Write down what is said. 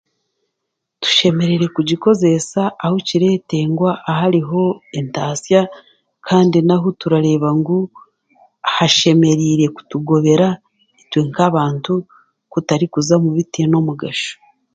Tushemereire kugikozesa ahu kireetengwa ahariho entasya kandi nahu turaareeba ngu hashemereire kugobera itwe nk'abantu kutari kuza mu bitaine mugasho